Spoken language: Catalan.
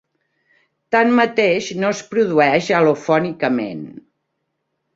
Tanmateix, no es produeix al·lofònicament.